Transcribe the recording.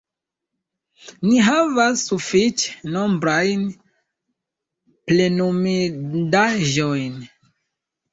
Ni havas sufiĉe nombrajn plenumindaĵojn.